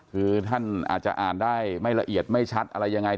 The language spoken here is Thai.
คือท่านอาจจะอ่านได้ไม่ละเอียดไม่ชัดอะไรยังไง